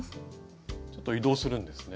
ちょっと移動するんですね？